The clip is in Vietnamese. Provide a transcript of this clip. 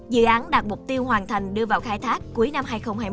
dự án đạt mục tiêu hoàn thành đưa vào khai thác cuối năm hai nghìn hai mươi một